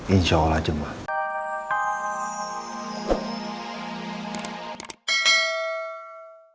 insya allah jemaah